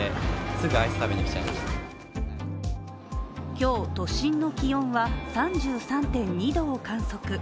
今日、都心の気温は３３．２度を観測。